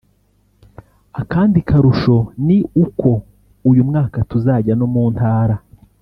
Akandi karusho ni uko uyu mwaka tuzajya no mu Ntara